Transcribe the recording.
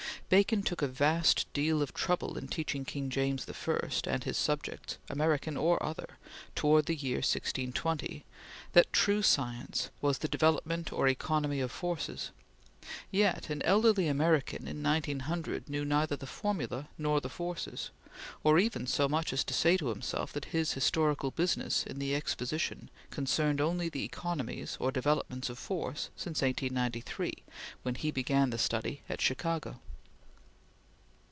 Bacon took a vast deal of trouble in teaching King James I and his subjects, American or other, towards the year 1620, that true science was the development or economy of forces; yet an elderly American in 1900 knew neither the formula nor the forces; or even so much as to say to himself that his historical business in the Exposition concerned only the economies or developments of force since 1893, when he began the study at Chicago.